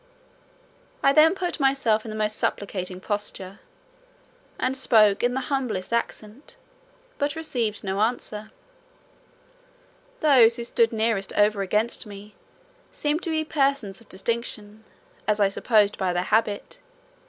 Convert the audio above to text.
I then put myself in the most supplicating posture, and spoke in the humblest accent, but received no answer. Those who stood nearest over against me, seemed to be persons of distinction, as I supposed by their habit.